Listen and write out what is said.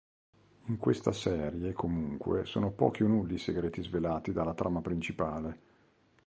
In questa serie, comunque, sono pochi o nulli i segreti svelati della trama principale.